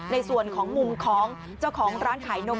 ในส่วนของมุมของเจ้าของร้านขายนม